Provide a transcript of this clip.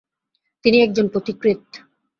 তিনি একজন পথিকৃৎ ।